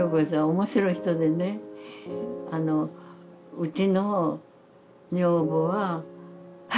面白い人でね「うちの女房は」